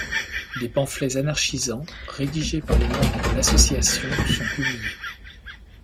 Des pamphlets anarchisants rédigés par les membres de l’association sont publiés.